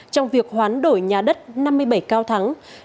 trong việc hoán đổi nhà đất năm mươi bảy cao thắng